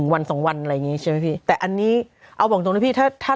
๑วัน๒วันอะไรนี้ใช่ไหมพี่แต่อันนี้เอาบอกจริงพี่ถ้าถ้า